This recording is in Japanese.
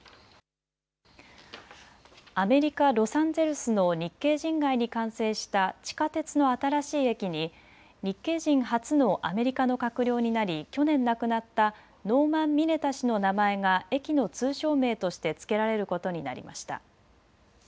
アメリカ・ロサンゼルスの日系人街に完成した地下鉄の新しい駅に日系人初のアメリカの閣僚になり去年、亡くなったノーマン・ミネタ氏の名前が駅の通称名として付けられることになりました。